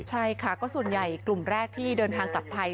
ใช่ค่ะก็ส่วนใหญ่กลุ่มแรกที่เดินทางกลับไทย